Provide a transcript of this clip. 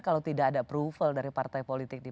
kalau tidak ada approval dari partai politik di